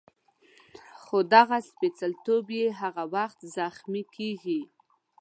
خو دغه سپېڅلتوب یې هغه وخت زخمي کېږي.